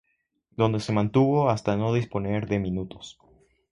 Donde se mantuvo hasta no disponer de minutos.